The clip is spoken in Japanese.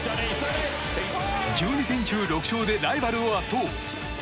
１２戦中６勝でライバルを圧倒。